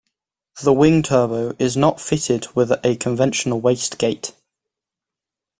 The Wing Turbo is not fitted with a conventional wastegate.